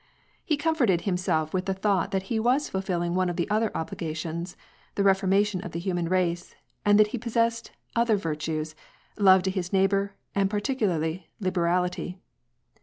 He comforted himself with the thought that he was fulfilling one of the other obligations, — the reformation of the humau race, and that he possessed the other virtues, love to his neighbor, and particularly liberality.